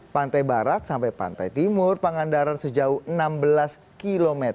pantai barat sampai pantai timur pangandaran sejauh enam belas km